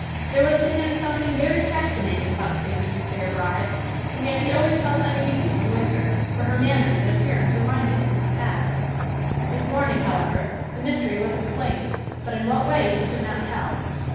There was to him something very fascinating about Stanton's fair bride, and yet he always felt uneasy when with her, for her manners and appearance reminded him of the past. This morning, however, the mystery was explained, but in what way he could not tell.